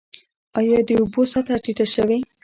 آیا د اوبو سطحه ټیټه شوې؟